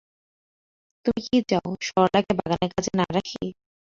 তুমি কি চাও সরলাকে বাগানের কাজে না রাখি।